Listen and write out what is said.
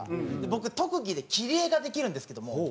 僕特技で切り絵ができるんですけども。